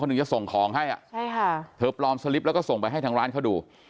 หนึ่งจะส่งของให้อ่ะใช่ค่ะเธอปลอมสลิปแล้วก็ส่งไปให้ทางร้านเขาดู